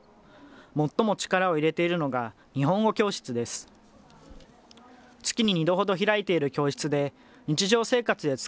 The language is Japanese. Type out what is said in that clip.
最も力を入れているのが日本語教室です。